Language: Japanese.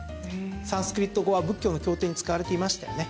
サンスクリット語は仏教の経典に使われていましたよね。